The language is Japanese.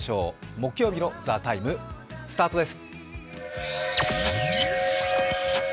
木曜日の「ＴＨＥＴＩＭＥ，」スタートです！